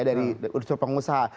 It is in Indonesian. dari usur pengusaha